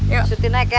yuk syuti naik ya